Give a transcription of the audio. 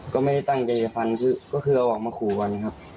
ก็ไม่ได้ตั้งใจจะฟันก็คือเอาออกมาขู่กันครับ